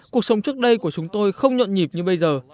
cuộc sống trước đây của chúng tôi không nhuận nhịp như bây giờ